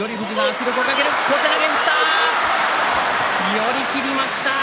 寄り切りました。